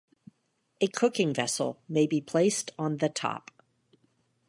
A cooking vessel may be placed on the top.